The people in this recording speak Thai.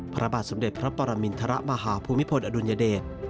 พระบาทสมเด็จพระปรมินทรมาหาภูมิพลอดุลยเดช